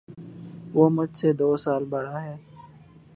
وہ مجھ سے دو سال بڑا ہے